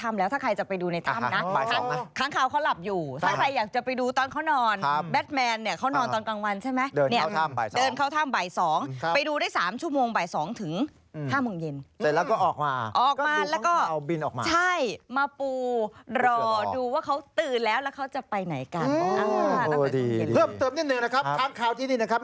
มาปูรอดูว่าเขาตื่นแล้วว่าเขาจะไปไหนกัน